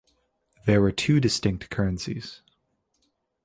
There were two distinct currencies.